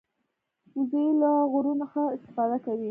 وزې له غرونو ښه استفاده کوي